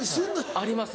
あります